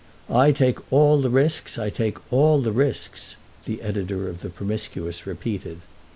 "I take all the risks, I take all the risks," the editor of the Promiscuous repeated.